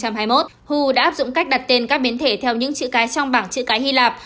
hu đã áp dụng cách đặt tên các biến thể theo những chữ cái trong bảng chữ cái hy lạp